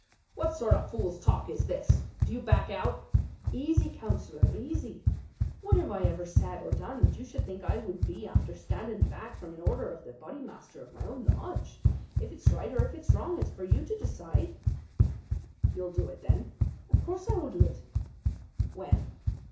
"What sort of fool's talk is this? Do you back out?" "Easy, Councillor, easy! What have I ever said or done that you should think I would be after standing back from an order of the Bodymaster of my own lodge? If it's right or if it's wrong, it's for you to decide." "You'll do it, then?" "Of course I will do it." "When?"